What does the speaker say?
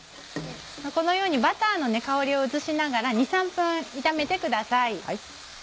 このようにバターの香りを移しながら２３分炒めてください。